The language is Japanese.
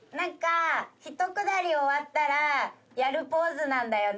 ひとくだり終わったらやるポーズなんだよね。